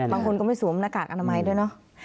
บางคนก็ไม่สูงบรรยากาศอาณาไม้ด้วย